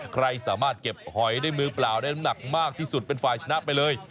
ใครสามารถเก็บหอยได้มือเปล่าได้น้ำหนักมากที่สุดเป็นฝ่ายชนะไปเลย